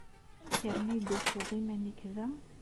Amek armi ay d-tufiḍ iman-nnek da?